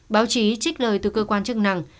báo chí trích lời từ cơ quan chức năng